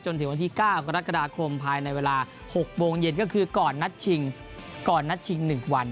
ถึงวันที่๙กรกฎาคมภายในเวลา๖โมงเย็นก็คือก่อนนัดชิงก่อนนัดชิง๑วัน